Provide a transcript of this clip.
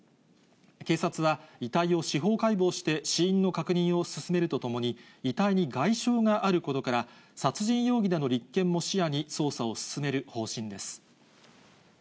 警察は、遺体を司法解剖して、死因の確認を進めるとともに、遺体に外傷があることから、殺人容疑での立件も視野に捜査を進める方針です。